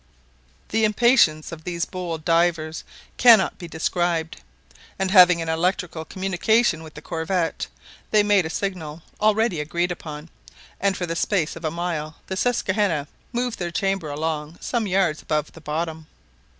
The impatience of these bold divers cannot be described, and having an electrical communication with the corvette, they made a signal already agreed upon, and for the space of a mile the Susquehanna moved their chamber along some yards above the bottom.